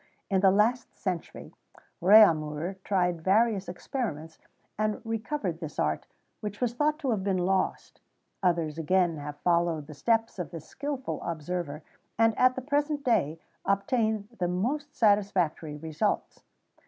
[XVII 30] In the last century, Réaumur tried various experiments, and recovered this art, which was thought to have been lost; others again have followed the steps of this skilful observer, and, at the present day, obtain the most satisfactory results.